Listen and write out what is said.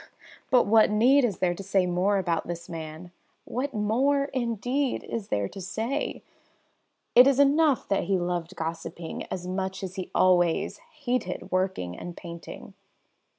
But what need is there to say more about this man? What more, indeed, is there to say? It is enough that he loved gossiping as much as he always hated working and painting.